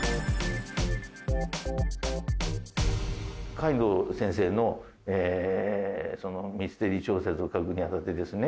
海堂先生のミステリー小説を書くに当たってですね